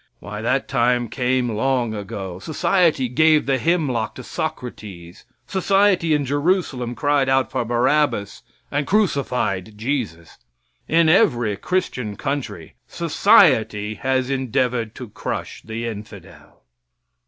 Why that time came long ago. Society gave the hemlock to Socrates, society in Jerusalem cried out for Barabbas and crucified Jesus. In every Christian country society has endeavored to crush the infidel.